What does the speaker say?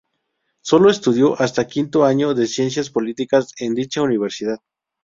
Solo estudió hasta quinto año de Ciencias Políticas en dicha universidad.